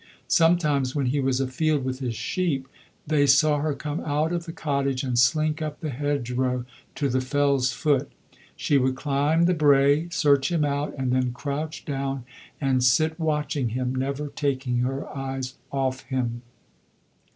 Sometimes, when he was afield with his sheep, they saw her come out of the cottage and slink up the hedgerow to the fell's foot. She would climb the brae, search him out, and then crouch down and sit watching him, never taking her eyes off him.